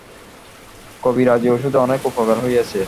কবিরাজী ঔষধে অনেক উপকার হইয়াছে।